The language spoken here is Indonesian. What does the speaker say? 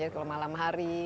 jadi kalau malam hari